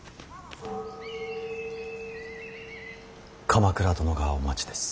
鎌倉殿がお待ちです。